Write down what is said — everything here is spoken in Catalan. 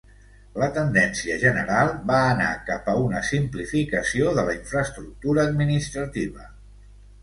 La tendència general va anar cap a una simplificació de la infraestructura administrativa.